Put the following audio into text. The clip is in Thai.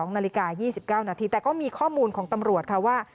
๒นาฬิกา๒๙นาทีแต่ก็มีข้อมูลของตำรวจค่ะว่า